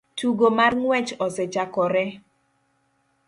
Tugo mar ng'wech osechakore